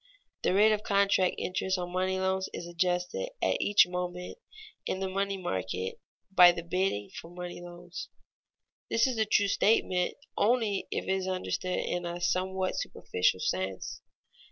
_The rate of contract interest on money loans is adjusted at each moment in the money market by the bidding for money loans._ This is a true statement only if it is understood in a somewhat superficial sense.